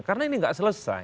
karena ini enggak selesai